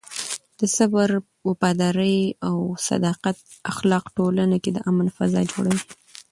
د صبر، وفادارۍ او صداقت اخلاق ټولنه کې د امن فضا جوړوي.